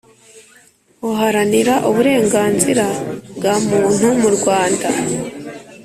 uharanira uburenganzira bwa muntu mu rwanda